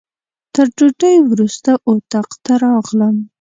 تر ډوډۍ وروسته اتاق ته راغلم.